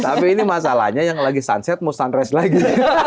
tapi ini masalahnya yang lagi sunset mau sunrise lagi